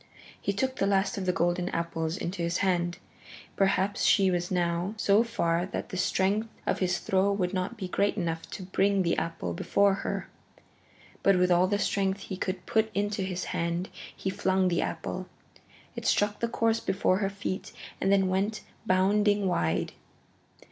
He took the last of the golden apples into his hand. Perhaps she was now so far that the strength of his throw would not be great enough to bring the apple before her. But with all the strength he could put into his hand he flung the apple. It struck the course before her feet and then went bounding wide.